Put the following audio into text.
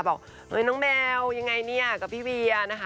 บอกน้องแมวยังไงเนี่ยกับพี่เวียนะคะ